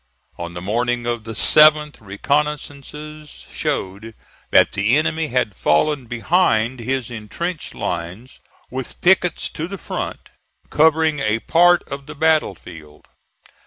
On the morning of the 7th, reconnoissances showed that the enemy had fallen behind his intrenched lines, with pickets to the front, covering a part of the battle field.